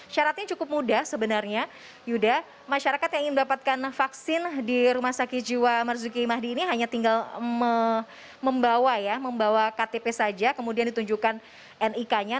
syaratnya cukup mudah sebenarnya yudha masyarakat yang ingin mendapatkan vaksin di rumah sakit jiwa marzuki mahdi ini hanya tinggal membawa ya membawa ktp saja kemudian ditunjukkan nik nya nanti akan di cross check lagi